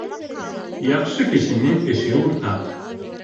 Яҡшы кешенең эше уртаҡ.